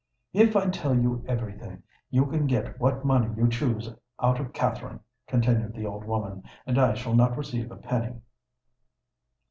"If I tell you every thing, you can get what money you choose out of Katherine," continued the old woman; "and I shall not receive a penny."